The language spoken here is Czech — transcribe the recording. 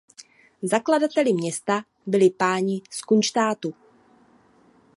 Zakladateli města byli páni z Kunštátu.